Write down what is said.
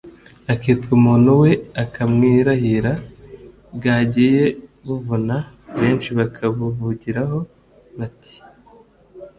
akitwa umuntu we, akamwirahira. Bwagiye buvuna benshi bakabuvugiraho. Bati